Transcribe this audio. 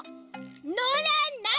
「の」らない！